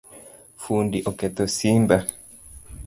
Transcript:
Fundi oketho simba